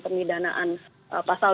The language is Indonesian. pemidanaan pasal dua